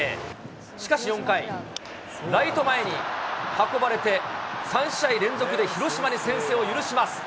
しかし４回、ライト前に運ばれて、３試合連続で広島に先制を許します。